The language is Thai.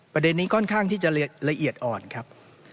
ประเด็นนี้ค่อนข้างที่จะละเอียดอ่อนครับ